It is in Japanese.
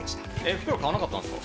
袋、買わなかったんですか？